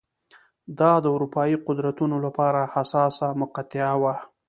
دا د اروپايي قدرتونو لپاره حساسه مقطعه وه.